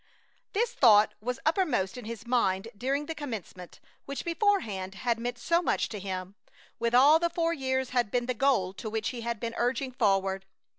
This thought was uppermost in his mind during the Commencement, which beforehand had meant so much to him; which all the four years had been the goal to which he had been urging forward.